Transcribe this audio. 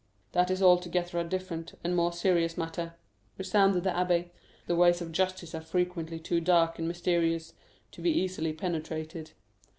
"That is altogether a different and more serious matter," responded the abbé. "The ways of justice are frequently too dark and mysterious to be easily penetrated.